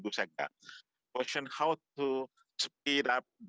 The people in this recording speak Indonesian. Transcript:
bagaimana cara untuk mempercepat